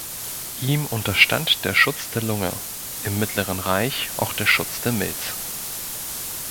Ihm unterstand der Schutz der Lunge, im Mittleren Reich auch der Schutz der Milz.